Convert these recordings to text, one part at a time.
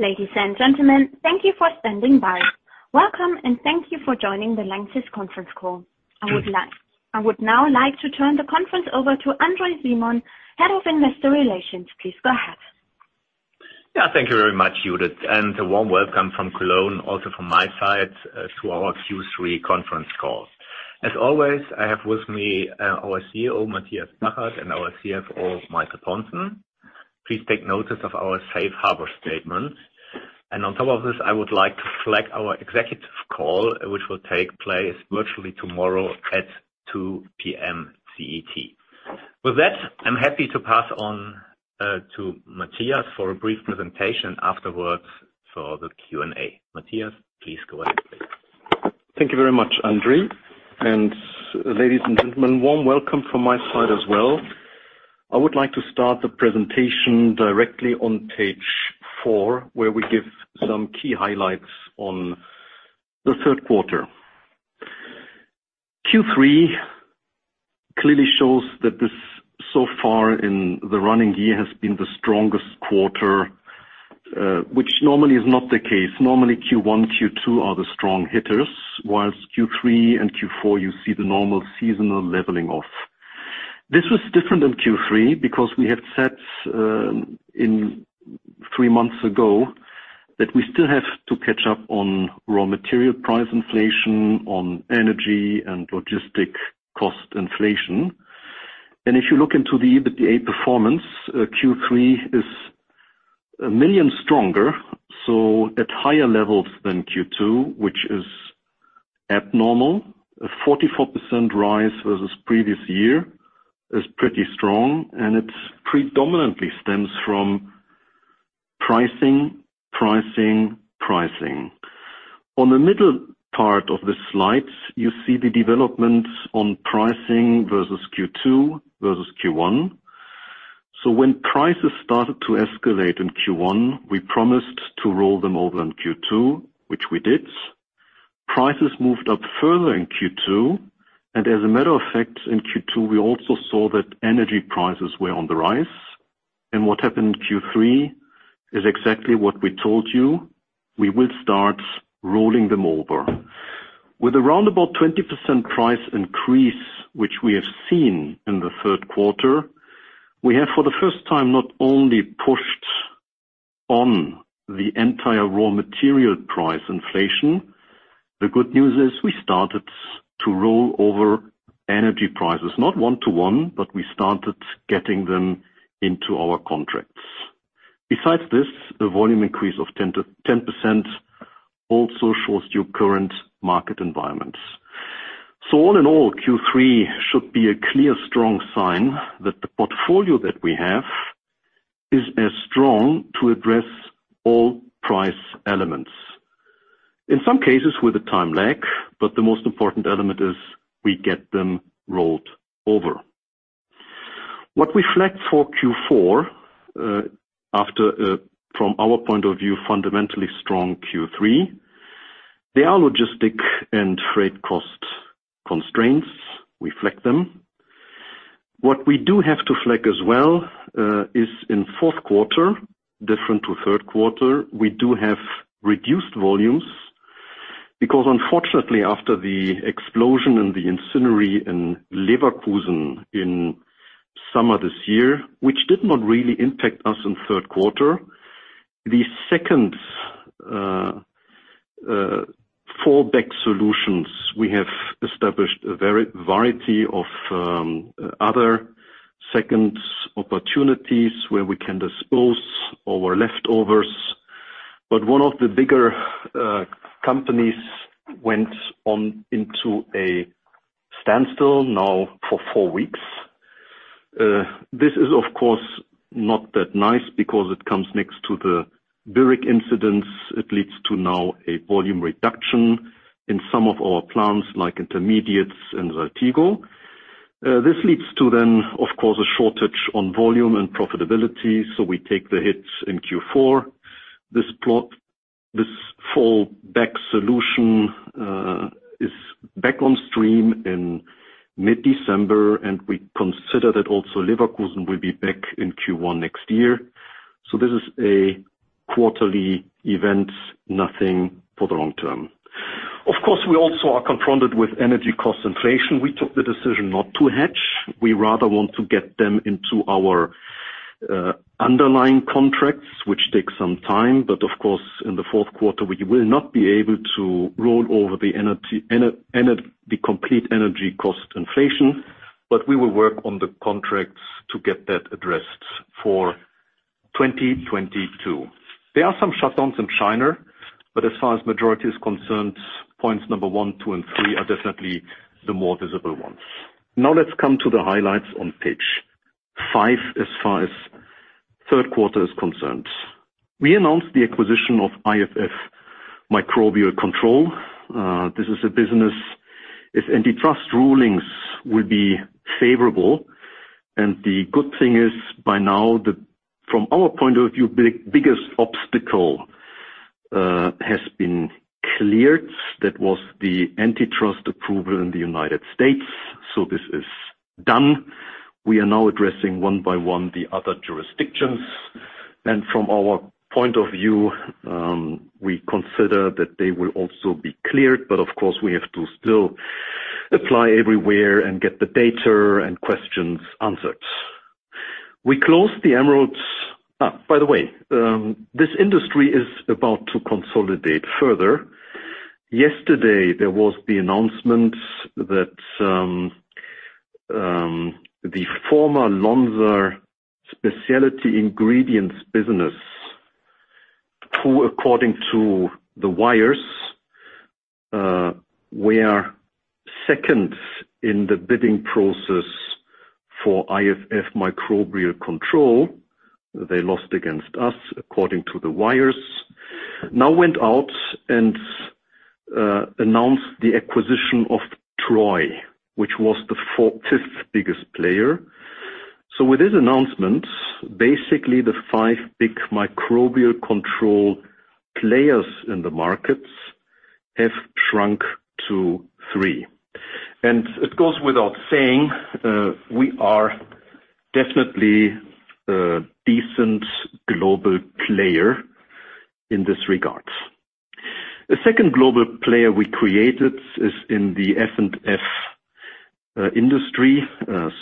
Ladies and gentlemen, thank you for standing by. Welcome, and thank you for joining the LANXESS conference call. I would now like to turn the conference over to André Simon, Head of Investor Relations. Please go ahead. Yeah, thank you very much, Judith, and a warm welcome from Cologne, also from my side, to our Q3 conference call. As always, I have with me our CEO, Matthias Zachert, and our CFO, Michael Pontzen. Please take notice of our safe harbor statement. On top of this, I would like to flag our executive call, which will take place virtually tomorrow at 2:00 P.M. CET. With that, I'm happy to pass on to Matthias for a brief presentation afterwards for the Q&A. Matthias, please go ahead, please. Thank you very much, André. Ladies and gentlemen, warm welcome from my side as well. I would like to start the presentation directly on page four, where we give some key highlights on the Q3. Q3 clearly shows that this so far in the running year has been the strongest quarter, which normally is not the case. Normally, Q1, Q2 are the strong hitters, while Q3 and Q4, you see the normal seasonal leveling off. This was different in Q3 because we had said three months ago that we still have to catch up on raw material price inflation, on energy and logistics cost inflation. If you look into the EBITDA performance, Q3 is 1 million stronger, so at higher levels than Q2, which is abnormal. A 44% rise versus previous year is pretty strong, and it predominantly stems from pricing, pricing. On the middle part of the slide, you see the development on pricing versus Q2 versus Q1. When prices started to escalate in Q1, we promised to roll them over in Q2, which we did. Prices moved up further in Q2, and as a matter of fact, in Q2, we also saw that energy prices were on the rise. What happened in Q3 is exactly what we told you, we will start rolling them over. With around about 20% price increase, which we have seen in the Q3, we have, for the first time, not only pushed on the entire raw material price inflation. The good news is we started to roll over energy prices, not one to one, but we started getting them into our contracts. Besides this, the volume increase of 10% also shows your current market environments. All in all, Q3 should be a clear, strong sign that the portfolio that we have is as strong to address all price elements. In some cases with a time lag, but the most important element is we get them rolled over. What we flag for Q4, after, from our point of view, fundamentally strong Q3, there are logistic and freight cost constraints. We flag them. What we do have to flag as well, is in Q4, different to Q3, we do have reduced volumes. Because unfortunately, after the explosion in the incinerator in Leverkusen in summer this year, which did not really impact us in Q3, the second fallback solutions we have established a variety of other second opportunities where we can dispose our leftovers. One of the bigger companies went into a standstill now for four weeks. This is of course not that nice because it comes next to the Bürrig incident. It leads to now a volume reduction in some of our plants, like Intermediates and Saltigo. This leads to then, of course, a shortage on volume and profitability, so we take the hits in Q4. This fallback solution is back on stream in mid-December, and we consider that also Leverkusen will be back in Q1 next year. This is a quarterly event, nothing for the long term. Of course, we also are confronted with energy cost inflation. We took the decision not to hedge. We rather want to get them into our underlying contracts, which takes some time. Of course, in the Q4, we will not be able to roll over the complete energy cost inflation, but we will work on the contracts to get that addressed for 2022. There are some shutdowns in China, but as far as majority is concerned, points number one, two, and three are definitely the more visible ones. Now let's come to the highlights on page five as far as Q3 is concerned. We announced the acquisition of IFF Microbial Control. This is a business if antitrust rulings will be favorable. The good thing is, by now from our point of view, biggest obstacle has been cleared. That was the antitrust approval in the United States, so this is done. We are now addressing one by one the other jurisdictions. From our point of view, we consider that they will also be cleared. But of course, we have to still apply everywhere and get the data and questions answered. We closed the Emerald. By the way, this industry is about to consolidate further. Yesterday, there was the announcement that the former Lonza Specialty Ingredients business, who according to the wires, were second in the bidding process for IFF Microbial Control. They lost against us according to the wires. Now went out and announced the acquisition of Troy, which was the fifth biggest player. With this announcement, basically the five big microbial control players in the markets have shrunk to three. It goes without saying, we are definitely a decent global player in this regard. The second global player we created is in the F&F industry,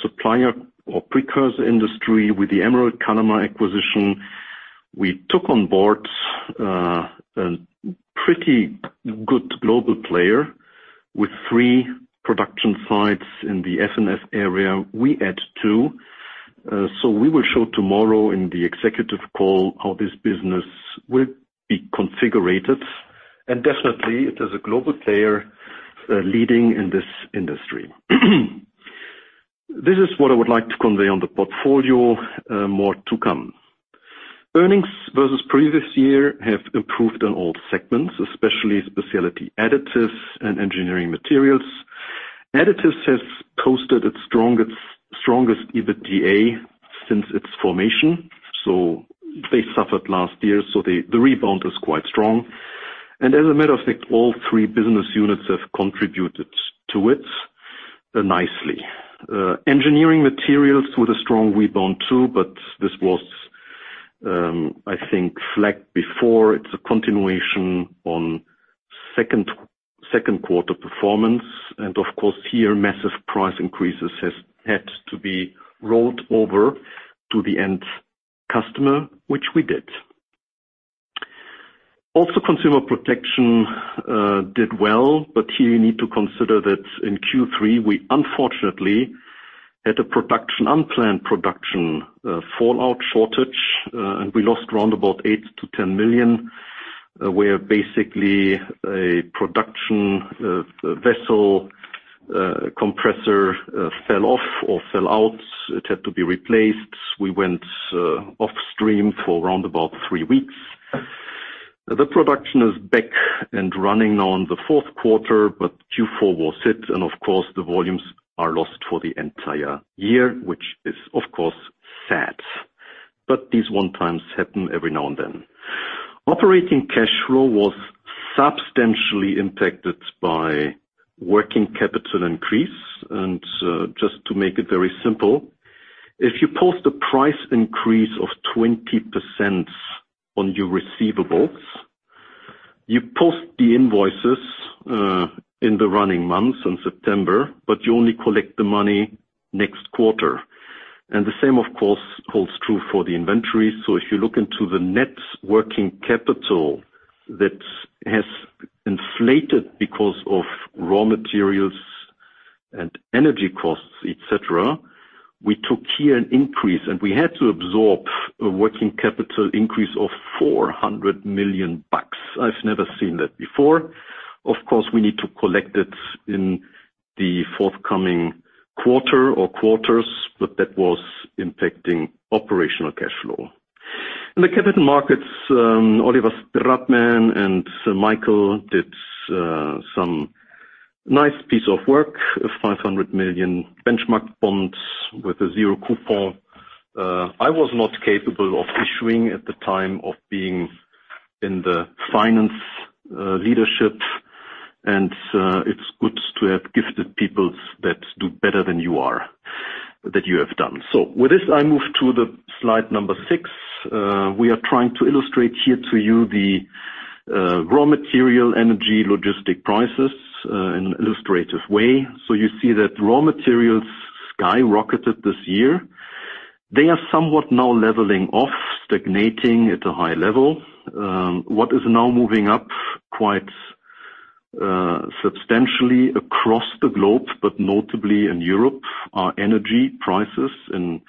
supplier or precursor industry with the Emerald Kalama acquisition. We took on board a pretty good global player with three production sites in the F&F area. We add two, so we will show tomorrow in the executive call how this business will be configured. Definitely, it is a global player, leading in this industry. This is what I would like to convey on the portfolio, more to come. Earnings versus previous year have improved on all segments, especially Specialty Additives and Engineering Materials. Additives has posted its strongest EBITDA since its formation. They suffered last year, so the rebound is quite strong. As a matter of fact, all three business units have contributed to it nicely. Engineering Materials with a strong rebound too, but this was I think flagged before. It's a continuation on Q2 performance. Of course here, massive price increases has had to be rolled over to the end customer, which we did. Consumer Protection did well, but here you need to consider that in Q3, we unfortunately had a unplanned production fallout shortage. We lost around 8 million-10 million, where basically a production vessel compressor fell off or fell out. It had to be replaced. We went off stream for around three weeks. The production is back and running now in the Q4, but Q4 was hit and of course the volumes are lost for the entire year, which is of course sad. These one-offs happen every now and then. Operating cash flow was substantially impacted by working capital increase. Just to make it very simple, if you post a price increase of 20% on your receivables, you post the invoices in the running months, in September, but you only collect the money next quarter and the same of course holds true for the inventory so if you look into the net working capital that has inflated because of raw materials and energy costs, etc., we took here an increase, and we had to absorb a working capital increase of $400 million. I've never seen that before. Of course, we need to collect it in the forthcoming quarter or quarters, but that was impacting operational cash flow. In the capital markets, Oliver Stratmann and Herr Michael did some nice piece of work of 500 million benchmark bonds with a zero coupon. I was not capable of issuing at the time of being in the finance leadership. It's good to have gifted people that do better than you are, that you have done. With this, I move to the slide number six. We are trying to illustrate here to you the raw material, energy, logistics prices in an illustrative way. You see that raw materials skyrocketed this year. They are somewhat now leveling off, stagnating at a high level. What is now moving up quite substantially across the globe, but notably in Europe, are energy prices. In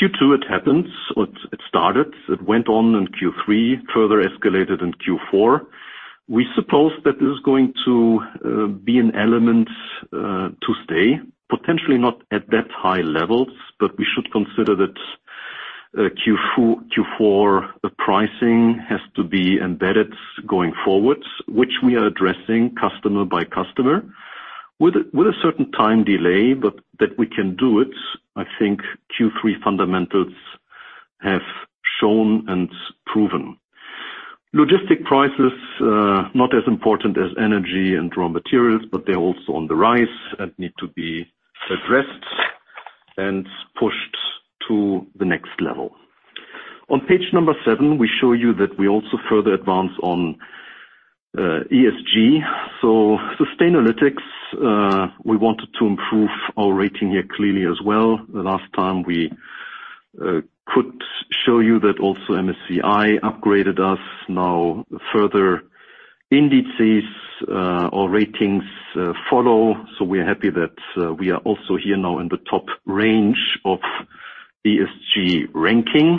Q2, it started, it went on in Q3, further escalated in Q4. We suppose that this is going to be an element to stay, potentially not at that high levels, but we should consider that Q4 pricing has to be embedded going forwards, which we are addressing customer by customer with a certain time delay, but that we can do it, I think Q3 fundamentals have shown and proven. Logistic prices, not as important as energy and raw materials, but they're also on the rise and need to be addressed and pushed to the next level. On page number seven, we show you that we also further advance on ESG. Sustainalytics, we wanted to improve our rating here clearly as well. The last time we could show you that also MSCI upgraded us. Now further indices or ratings follow. We're happy that we are also here now in the top range of ESG ranking.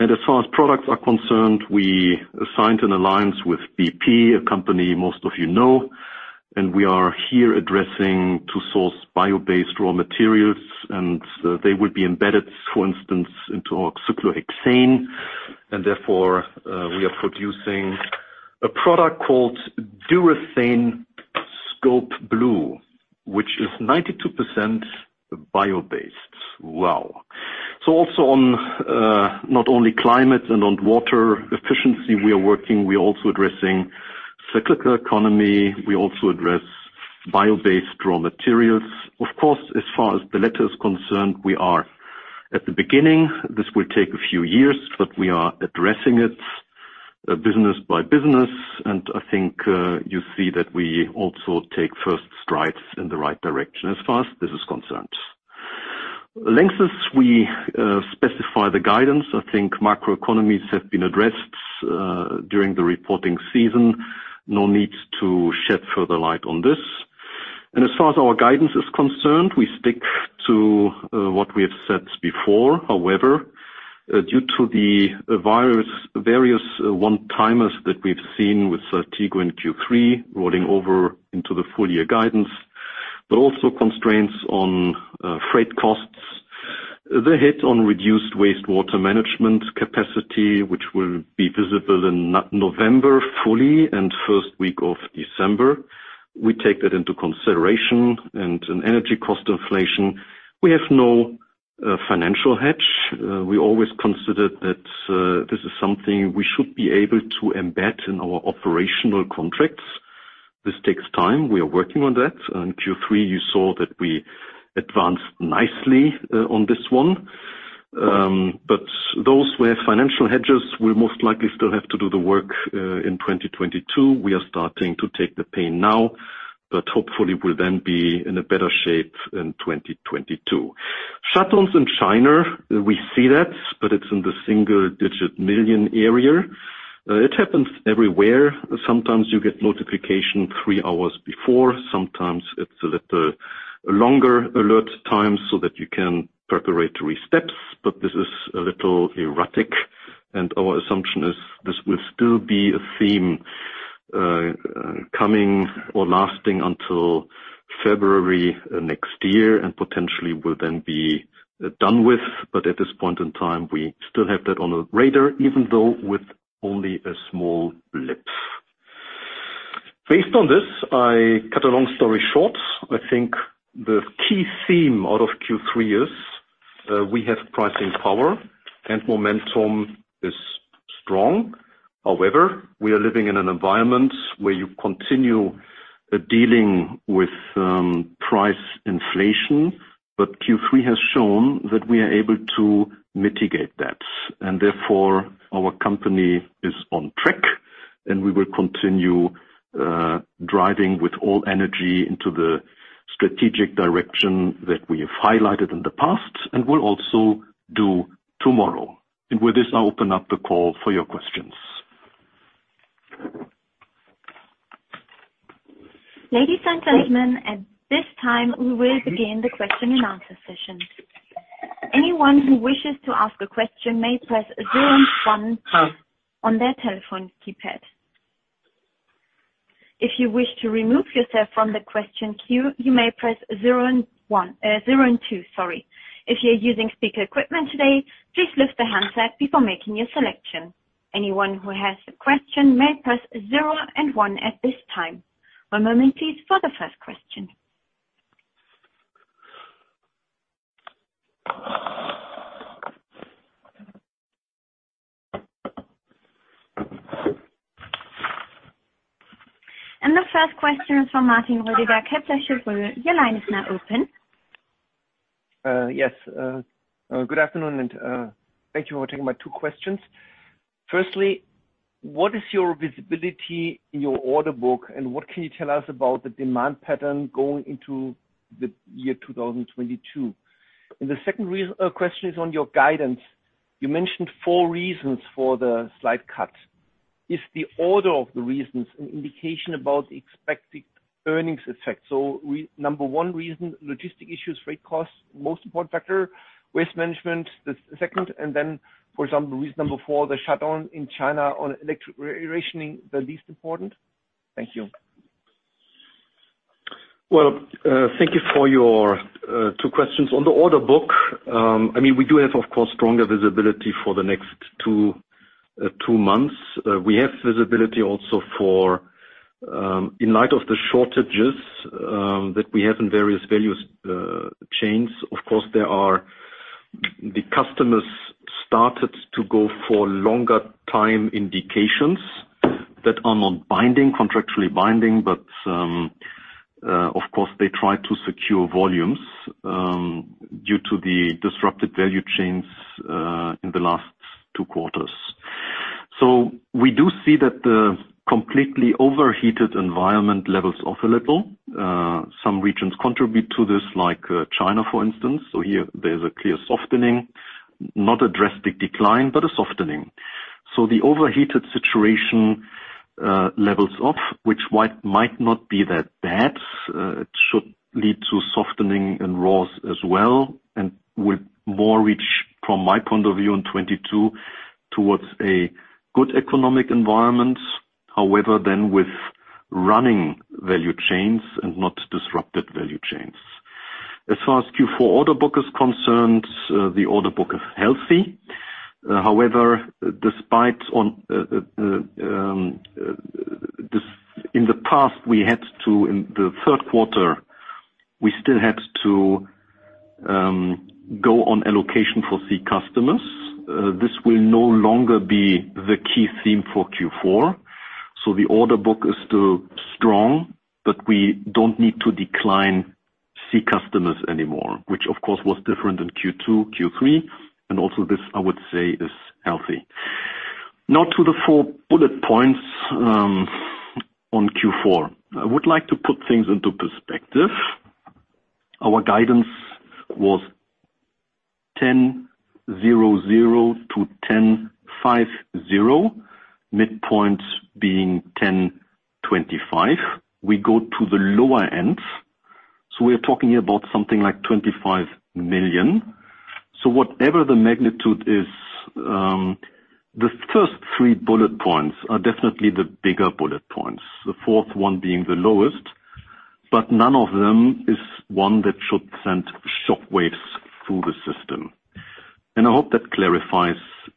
As far as products are concerned, we signed an alliance with BP, a company most of you know, and we are here intending to source bio-based raw materials, and they will be embedded, for instance, into our cyclohexane and therefore we are producing a product called Durethan Scopeblue, which is 92% bio-based. Wow. Also on not only climate and on water efficiency we are working, we're also addressing circular economy, we also address bio-based raw materials. Of course, as far as the latter is concerned, we are at the beginning. This will take a few years, but we are addressing it business by business. I think you see that we also take first strides in the right direction as far as this is concerned. LANXESS, we specify the guidance. I think macroeconomies have been addressed during the reporting season. No need to shed further light on this. As far as our guidance is concerned, we stick to what we have said before. However, due to various one-timers that we've seen with Theseo in Q3 rolling over into the full year guidance, but also constraints on freight costs, the hit on reduced wastewater management capacity, which will be visible in November fully and first week of December, we take that into consideration. In energy cost inflation, we have no financial hedge. We always considered that this is something we should be able to embed in our operational contracts. This takes time. We are working on that. In Q3, you saw that we advanced nicely on this one. Those who have financial hedges will most likely still have to do the work in 2022. We are starting to take the pain now, but hopefully will then be in a better shape in 2022. Shutdowns in China, we see that, but it's in the single-digit million EUR area. It happens everywhere. Sometimes you get notification three hours before, sometimes it's a little longer alert time so that you can take preparatory steps, but this is a little erratic and our assumption is this will still be a theme coming or lasting until February next year and potentially will then be done with. At this point in time, we still have that on our radar, even though with only a small blip. Based on this, I cut a long story short. I think the key theme out of Q3 is, we have pricing power and momentum is strong. However, we are living in an environment where you continue, dealing with, price inflation. Q3 has shown that we are able to mitigate that. Therefore, our company is on track and we will continue, driving with all energy into the strategic direction that we have highlighted in the past and will also do tomorrow. With this, I open up the call for your questions. Ladies and gentlemen, at this time, we will begin the question and answer session. Anyone who wishes to ask a question may press zero and one on their telephone keypad. If you wish to remove yourself from the question queue, you may press zero and two, sorry. If you're using speaker equipment today, please lift the handset before making your selection. Anyone who has a question may press zero and one at this time. One moment please for the first question. The first question is from Martin Roediger, Kepler Cheuvreux. Your line is now open. Good afternoon, and thank you for taking my two questions. First, what is your visibility in your order book and what can you tell us about the demand pattern going into the year 2022? The second question is on your guidance. You mentioned four reasons for the slight cut. Is the order of the reasons an indication about the expected earnings effect? Number one reason, logistic issues, freight costs, most important factor, waste management the second, and then, for example, reason number four, the shutdown in China on electric rationing the least important? Thank you. Well, thank you for your two questions. On the order book, I mean, we do have, of course, stronger visibility for the next two months. We have visibility also for, in light of the shortages, that we have in various value chains. Of course, there are the customers started to go for longer time indications that are not binding, contractually binding, but, of course, they try to secure volumes, due to the disrupted value chains, in the last two quarters. We do see that the completely overheated environment levels off a little. Some regions contribute to this, like, China, for instance. Here there's a clear softening, not a drastic decline, but a softening. The overheated situation levels off, which might not be that bad. It should lead to softening in raws as well, and with more relief from my point of view in 2022 towards a good economic environment, however, then with running value chains and not disrupted value chains. As far as Q4 order book is concerned, the order book is healthy. However, in the past, in the Q3. We still had to go on allocation for key customers. This will no longer be the key theme for Q4. The order book is still strong, but we don't need to decline key customers anymore, which of course was different in Q2, Q3. Also, this I would say is healthy. Now to the four bullet points on Q4. I would like to put things into perspective. Our guidance was 1,000-1,050, midpoints being 1,025. We go to the lower end, so we're talking about something like 25 million. Whatever the magnitude is, the first three bullet points are definitely the bigger bullet points, the fourth one being the lowest but none of them is one that should send shock waves through the system. I hope that clarifies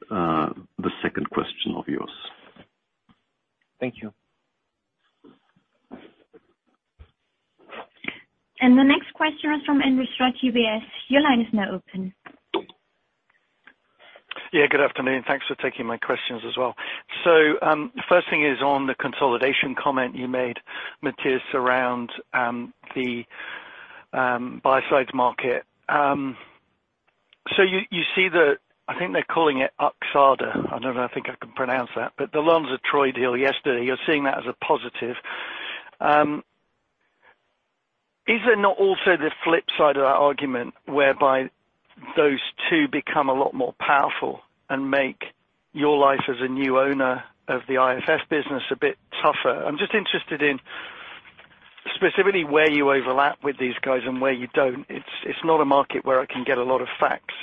the second question of yours. Thank you. The next question is from Andrew Stott, UBS. Your line is now open. Yeah, good afternoon. Thanks for taking my questions as well. First thing is on the consolidation comment you made, Matthias, around the biocide market. You see the I think they're calling it Arxada. I don't know, I think I can pronounce that. The Lonza-Theseo deal yesterday, you're seeing that as a positive. Is there not also the flip side of that argument whereby those two become a lot more powerful and make your life as a new owner of the IFF business a bit tougher? I'm just interested in specifically where you overlap with these guys and where you don't. It's not a market where I can get a lot of facts,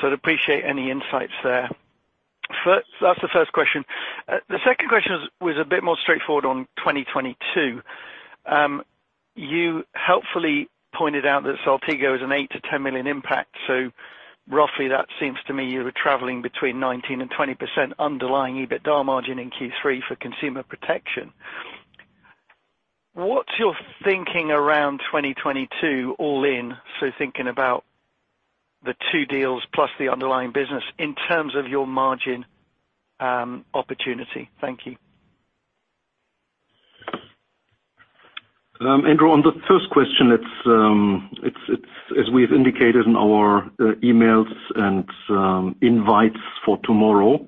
so I'd appreciate any insights there. First, that's the first question. The second question is, was a bit more straightforward on 2022. You helpfully pointed out that Saltigo is an 8 million-10 million impact, so roughly that seems to me you were traveling between 19%-20% underlying EBITDA margin in Q3 for Consumer Protection. What's your thinking around 2022 all in, so thinking about the two deals plus the underlying business in terms of your margin opportunity? Thank you. Andrew, on the first question, it's as we have indicated in our emails and invites for tomorrow.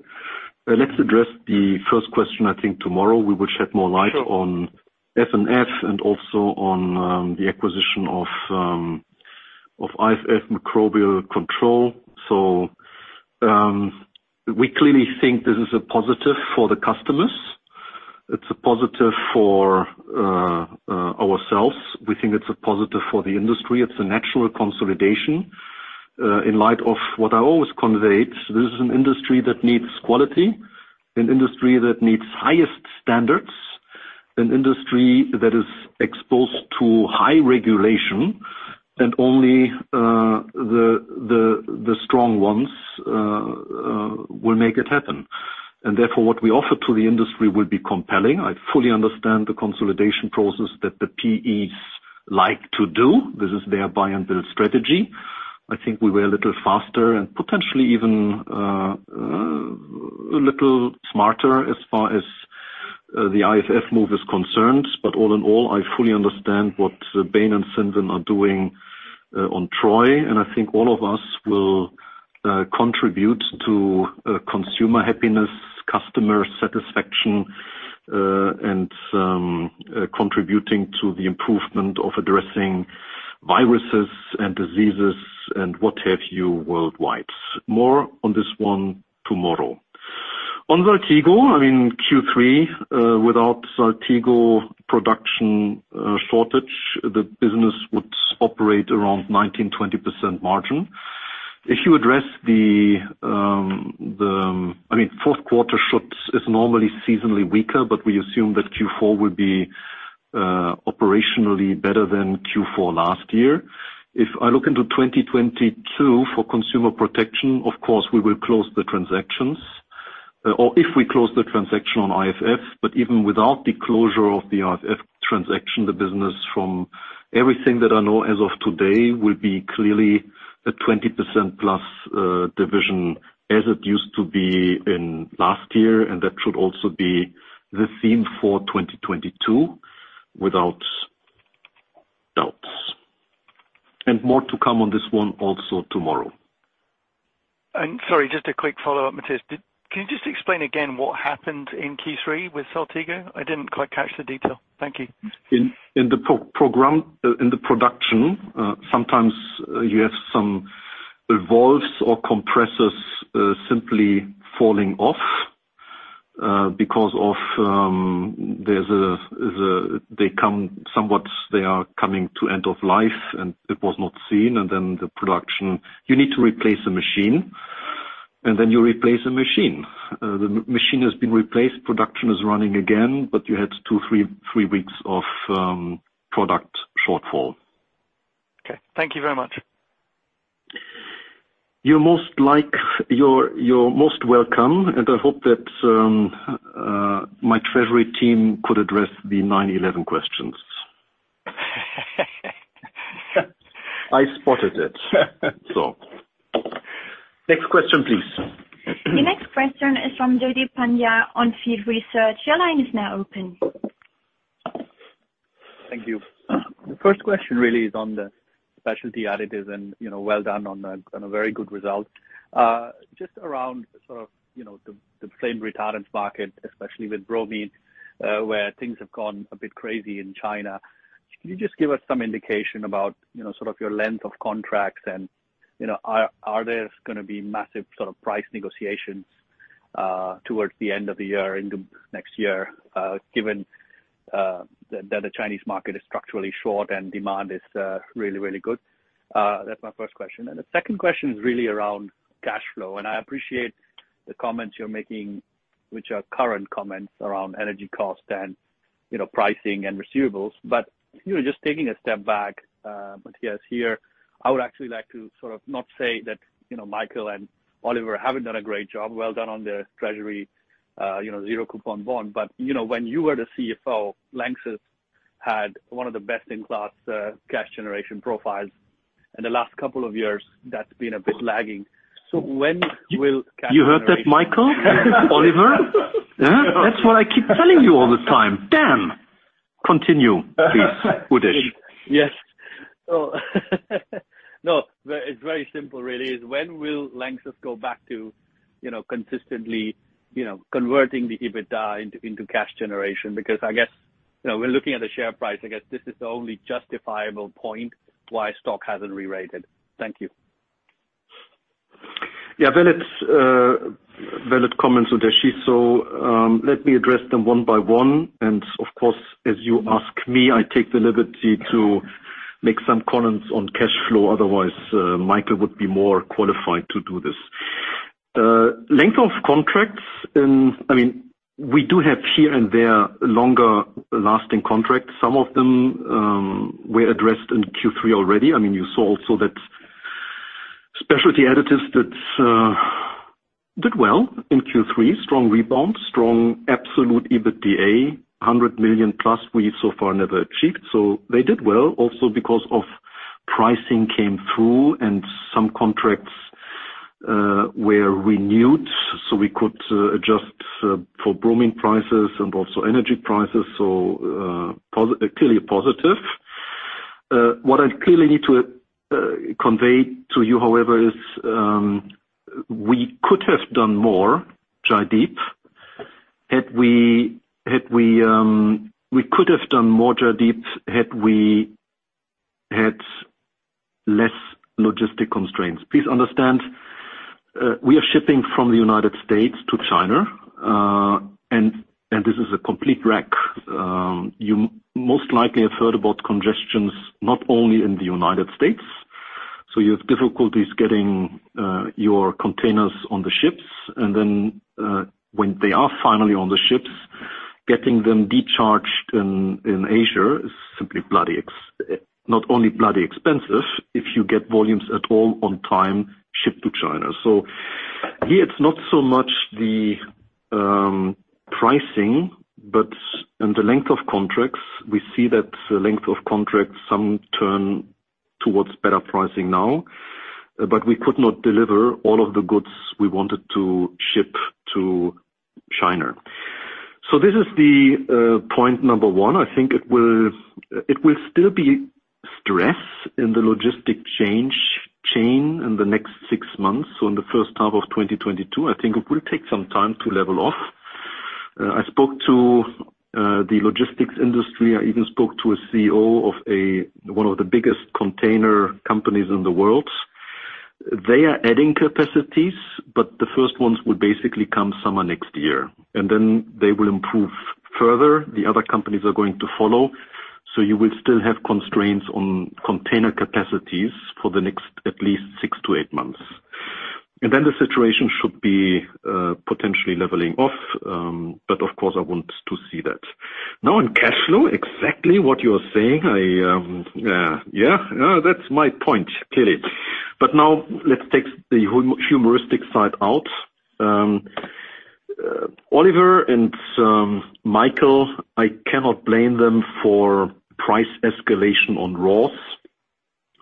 Let's address the first question. I think tomorrow we will shed more light. On F&F and also on the acquisition of IFF Microbial Control. We clearly think this is a positive for the customers. It's a positive for ourselves. We think it's a positive for the industry. It's a natural consolidation. In light of what I always convey, this is an industry that needs quality, an industry that needs highest standards, an industry that is exposed to high regulation and only the strong ones will make it happen. Therefore, what we offer to the industry will be compelling. I fully understand the consolidation process that the PEs like to do. This is their buy and build strategy. I think we were a little faster and potentially even a little smarter as far as the IFF move is concerned. All in all, I fully understand what Bain and Cinven are doing on Troy, and I think all of us will contribute to consumer happiness, customer satisfaction, and contributing to the improvement of addressing viruses and diseases and what have you worldwide. More on this one tomorrow. On Saltigo, Q3 without Saltigo production shortage, the business would operate around 19%-20% margin. If you address the Q4, is normally seasonally weaker, but we assume that Q4 will be operationally better than Q4 last year. If I look into 2022 for Consumer Protection, of course, we will close the transactions. Or if we close the transaction on IFF. Even without the closure of the IFF transaction, the business from everything that I know as of today will be clearly a 20%+ division as it used to be in last year, and that should also be the theme for 2022 without doubts. More to come on this one also tomorrow. Sorry, just a quick follow-up, Matthias. Can you just explain again what happened in Q3 with Saltigo? I didn't quite catch the detail. Thank you. In the production, sometimes you have some valves or compressors simply falling off because they are coming to end of life, and it was not seen, and then the production you need to replace the machine, and then you replace the machine. The machine has been replaced, production is running again, but you had two, three weeks of product shortfall. Okay. Thank you very much. You're most welcome, and I hope that my treasury team could address the 9/11 questions. I spotted it. Next question, please. The next question is from Jaideep Pandya, On Field Research. Your line is now open. Thank you. The first question really is on the Specialty Additives and, you know, well done on the, on a very good result. Just around sort of, you know, the flame retardants market, especially with bromine, where things have gone a bit crazy in China. Can you just give us some indication about, you know, sort of your length of contracts and, you know, are there gonna be massive sort of price negotiations towards the end of the year into next year, given that the Chinese market is structurally short and demand is really, really good? That's my first question. The second question is really around cash flow. I appreciate the comments you're making, which are current comments around energy costs and, you know, pricing and receivables. You know, just taking a step back, Matthias, here, I would actually like to sort of not say that, you know, Michael and Oliver haven't done a great job, well done on the treasury, you know, zero coupon bond. You know, when you were the CFO, LANXESS had one of the best-in-class cash generation profiles. In the last couple of years, that's been a bit lagging. When will cash generation- You heard that, Michael? Oliver? Huh? That's what I keep telling you all the time. Damn. Continue, please, Udesh. It's very simple really. It's when will LANXESS go back to, you know, consistently, you know, converting the EBITDA into cash generation? Because I guess, you know, we're looking at the share price. I guess this is the only justifiable point why stock hasn't rerated. Thank you. Valid comments, Udeshi. Let me address them one by one. Of course, as you ask me, I take the liberty to make some comments on cash flow. Otherwise, Michael would be more qualified to do this. Length of contracts. I mean, we do have here and there longer lasting contracts. Some of them were addressed in Q3 already. I mean, you saw also that Specialty Additives that did well in Q3. Strong rebound, strong absolute EBITDA, 100 million-plus we've so far never achieved. They did well also because of pricing came through and some contracts were renewed, so we could adjust for bromine prices and also energy prices so clearly a positive. What I clearly need to convey to you, however, is we could have done more, Jaideep, had we had less logistical constraints. Please understand, we are shipping from the United States to China, and this is a complete wreck. You most likely have heard about congestion, not only in the United States. You have difficulties getting your containers on the ships, and then, when they are finally on the ships, getting them discharged in Asia is simply not only bloody expensive if you get volumes at all on time shipped to China. Here it's not so much the pricing, but. The length of contracts, we see that some turn towards better pricing now, but we could not deliver all of the goods we wanted to ship to China. This is the point number one. I think it will still be stress in the logistics chain in the next six months. In the first half of 2022, I think it will take some time to level off. I spoke to the logistics industry. I even spoke to a CEO of one of the biggest container companies in the world. They are adding capacities, but the first ones will basically come summer next year, and then they will improve further. The other companies are going to follow. You will still have constraints on container capacities for the next, at least 6-8 months. The situation should be potentially leveling off, but of course, I want to see that. Now in cash flow, exactly what you're saying. I, yeah, no, that's my point, clearly. Now let's take the humoristic side out. Oliver and Michael, I cannot blame them for price escalation on raws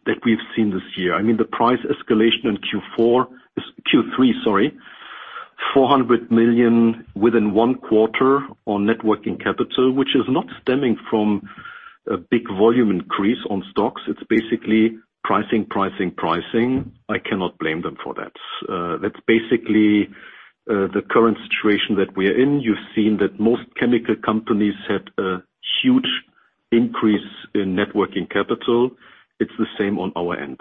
that we've seen this year. I mean, the price escalation in Q3, sorry, 400 million within one quarter on net working capital, which is not stemming from a big volume increase on stocks. It's basically pricing. I cannot blame them for that. That's basically the current situation that we are in. You've seen that most chemical companies had a huge increase in net working capital. It's the same on our end.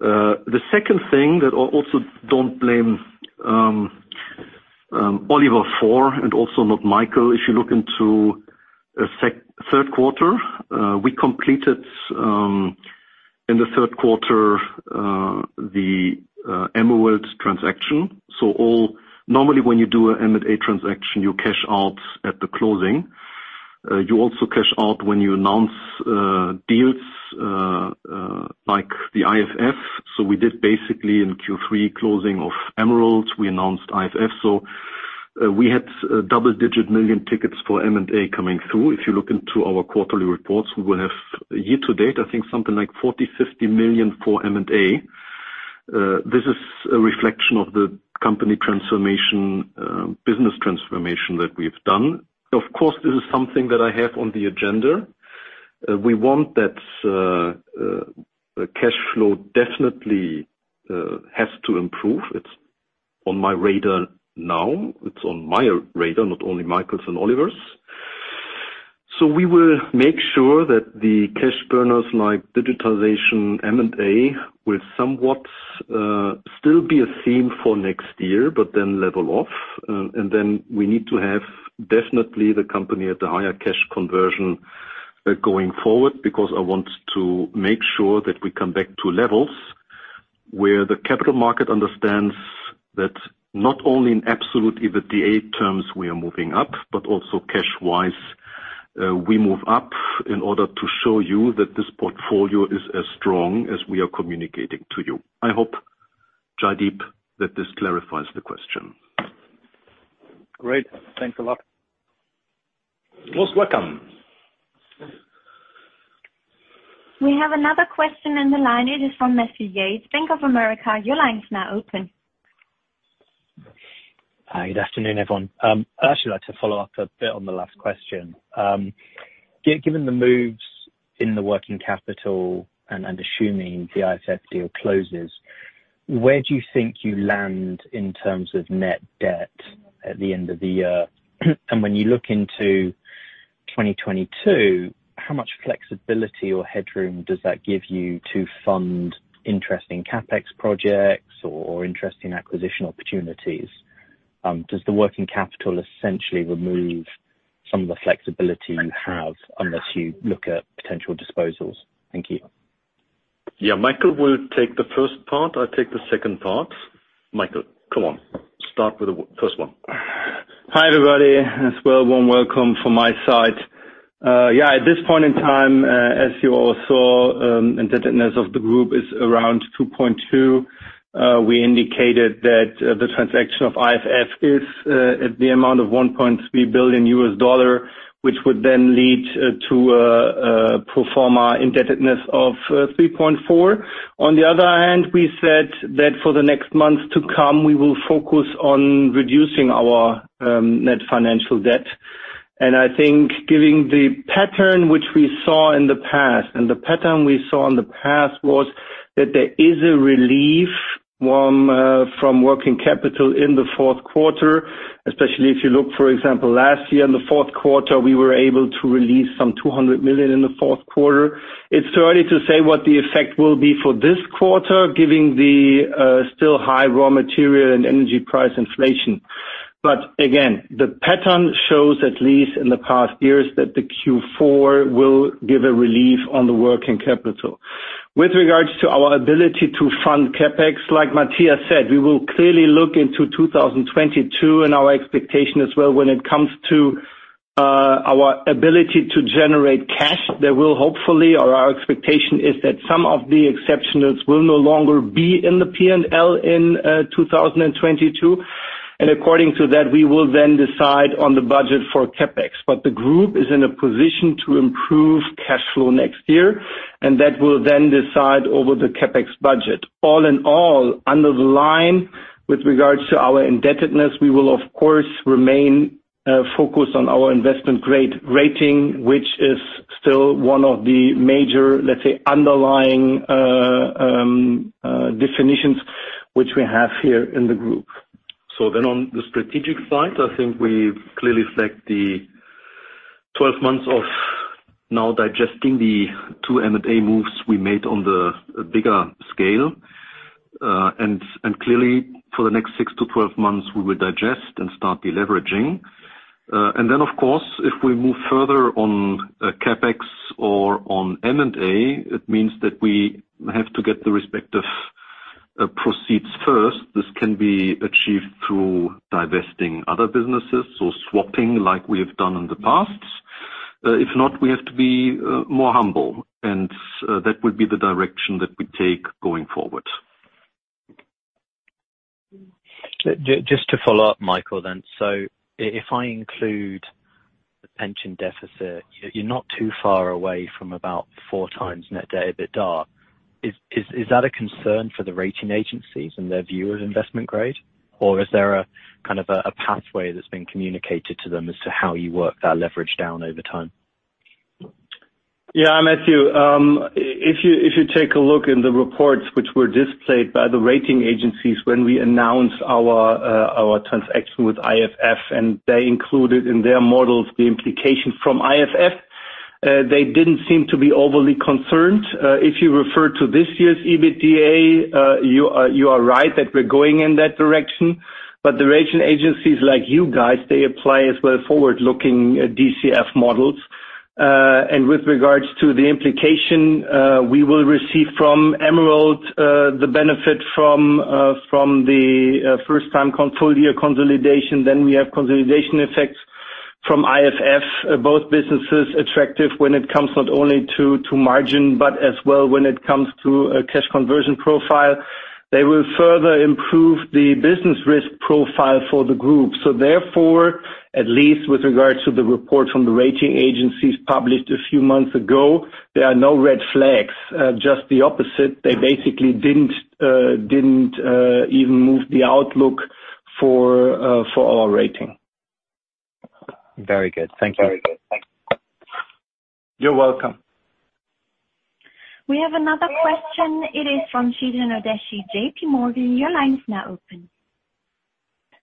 The second thing that I also don't blame Oliver for, and also not Michael, if you look into Q3, we completed in the Q3 the Emerald transaction. Normally, when you do a M&A transaction, you cash out at the closing. You also cash out when you announce deals like the IFF. We did basically in Q3, closing of Emerald, we announced IFF. We had double-digit million EUR tickets for M&A coming through. If you look into our quarterly reports, we will have year to date, I think something like 40 million, 50 million for M&A. This is a reflection of the company transformation, business transformation that we've done. Of course, this is something that I have on the agenda. We want that cash flow definitely has to improve. It's on my radar now, not only Michael's and Oliver's. We will make sure that the cash burners like digitalization, M&A, will somewhat still be a theme for next year, but then level off. We need to have definitely the company at a higher cash conversion going forward, because I want to make sure that we come back to levels where the capital market understands that not only in absolute EBITDA terms we are moving up, but also cash-wise we move up in order to show you that this portfolio is as strong as we are communicating to you. I hope, Jaideep, that this clarifies the question. Great. Thanks a lot. Most welcome. We have another question in the line. It is from Matthew Yates, Bank of America. Your line is now open. Good afternoon, everyone. I'd actually like to follow up a bit on the last question. Given the moves in the working capital and assuming the IFF deal closes, where do you think you land in terms of net debt at the end of the year? When you look into 2022, how much flexibility or headroom does that give you to fund interesting CapEx projects or interesting acquisition opportunities? Does the working capital essentially remove some of the flexibility you have unless you look at potential disposals? Thank you. Yeah. Michael will take the first part. I'll take the second part. Michael, come on, start with the first one. Hi, everybody, a warm welcome from my side. At this point in time, as you all saw, indebtedness of the group is around 2.2. We indicated that the transaction of IFF is at the amount of $1.3 billion, which would then lead to a pro forma indebtedness of 3.4. On the other hand, we said that for the next month to come, we will focus on reducing our net financial debt. I think given the pattern we saw in the past, which was that there is a relief from working capital in the Q4, especially if you look, for example, last year in the Q4, we were able to release some 200 million in the Q4. It's too early to say what the effect will be for this quarter, given the still high raw material and energy price inflation but again, the pattern shows, at least in the past years, that the Q4 will give a relief on the working capital. With regards to our ability to fund CapEx, like Matthias said, we will clearly look into 2022 and our expectation as well when it comes to our ability to generate cash. There will hopefully, or our expectation is that some of the exceptionals will no longer be in the P&L in 2022. According to that, we will then decide on the budget for CapEx. The group is in a position to improve cash flow next year, and that will then decide over the CapEx budget. All in all, under the line, with regards to our indebtedness, we will, of course, remain focused on our investment grade rating, which is still one of the major, let's say, underlying definitions which we have here in the group. On the strategic side, I think we've clearly set the 12 months of now digesting the two M&A moves we made on the bigger scale. Clearly, for the next six to 12 months, we will digest and start deleveraging. Of course, if we move further on CapEx or on M&A, it means that we have to get the respective proceeds first. This can be achieved through divesting other businesses, so swapping like we have done in the past. If not, we have to be more humble and that would be the direction that we take going forward. Just to follow up Michael then. If I include the pension deficit, you're not too far away from about 4x net debt EBITDA. Is that a concern for the rating agencies and their view of investment grade? Or is there kind of a pathway that's been communicated to them as to how you work that leverage down over time? Yeah, Matthew. If you take a look in the reports which were displayed by the rating agencies when we announced our transaction with IFF, and they included in their models the implication from IFF, they didn't seem to be overly concerned. If you refer to this year's EBITDA, you are right that we're going in that direction. The rating agencies like you guys, they apply as well forward-looking DCF models. With regards to the implication we will receive from Emerald, the benefit from the first time full year consolidation, then we have consolidation effects from IFF, both businesses attractive when it comes not only to margin, but as well when it comes to a cash conversion profile. They will further improve the business risk profile for the group so at least with regard to the report from the rating agencies published a few months ago, there are no red flags. Just the opposite. They basically didn't even move the outlook for our rating. Very good. Thank you. You're welcome. We have another question. It is from Chetan Udeshi, JPMorgan. Your line is now open.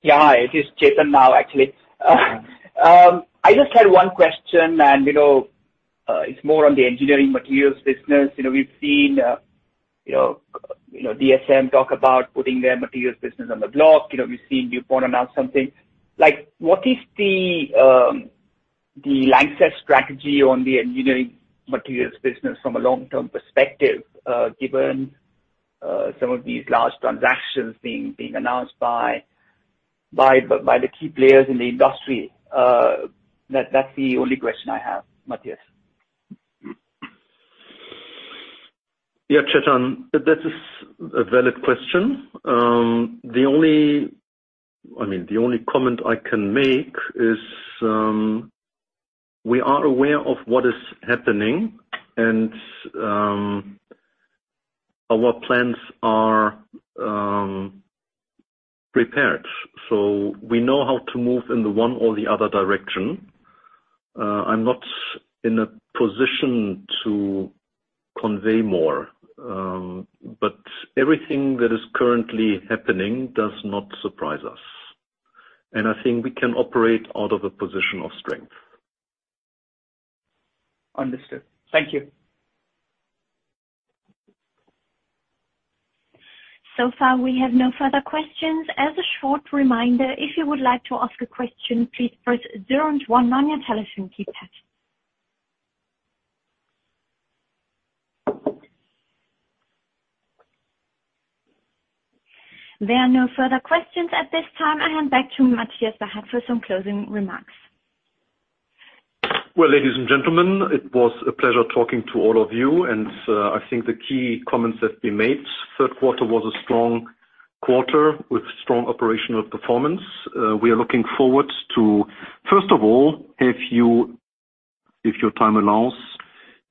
Yeah. Hi, it is Chetan now, actually. I just had one question, and, you know, it's more on the Engineering Materials business. You know, we've seen DSM talk about putting their materials business on the block. You know, we've seen DuPont announce something. Like, what is the LANXESS strategy on the Engineering Materials business from a long-term perspective, given some of these large transactions being announced by the key players in the industry? That's the only question I have, Matthias. Yeah, Chetan, that is a valid question. The only comment I can make is, we are aware of what is happening and, our plans are prepared. We know how to move in the one or the other direction. I'm not in a position to convey more, but everything that is currently happening does not surprise us. I think we can operate out of a position of strength. Understood. Thank you. So far, we have no further questions. As a short reminder, if you would like to ask a question, please press zero and one on your telephone keypad. There are no further questions at this time. I hand back to Matthias Zachert for some closing remarks. Well, ladies and gentlemen, it was a pleasure talking to all of you, and I think the key comments have been made. Q3 was a strong quarter with strong operational performance. We are looking forward to, first of all, if your time allows,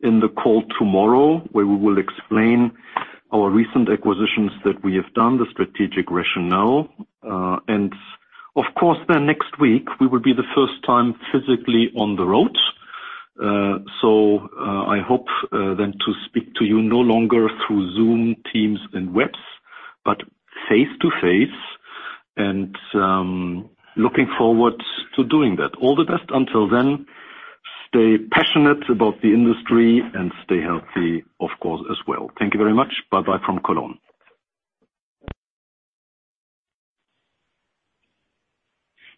in the call tomorrow, where we will explain our recent acquisitions that we have done, the strategic rationale. Of course, then next week we will be for the first time physically on the road. I hope then to speak to you no longer through Zoom, Teams and webinars, but face-to-face and looking forward to doing that. All the best until then. Stay passionate about the industry and stay healthy, of course, as well. Thank you very much. Bye-bye from Cologne.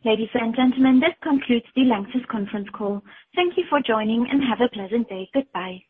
Ladies and gentlemen, that concludes the LANXESS conference call. Thank you for joining, and have a pleasant day. Goodbye.